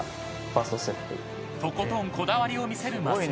［とことんこだわりを見せる増田］